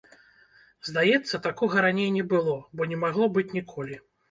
Здаецца, такога раней не было, бо не магло быць ніколі.